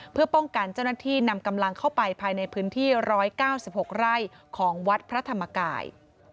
เพื่อป้องกันเจ้าหน้าที่นำกำลังเข้าไปภายในพื้นที่๑๙๖ไร่ของวัดพระธรรมกาย